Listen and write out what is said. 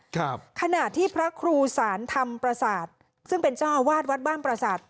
ครับขณะที่พระครูสารธรรมประสาทซึ่งเป็นเจ้าอาวาสวัดบ้านประสาท